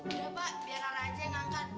biar ala aja yang ngangkat